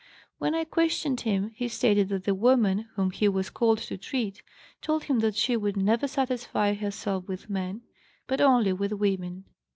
When I questioned him he stated that the woman, whom he was called to treat, told him that she could never 'satisfy herself' with men, but only with women.